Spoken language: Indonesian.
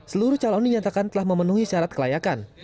seluruh calon dinyatakan telah memenuhi syarat kelayakan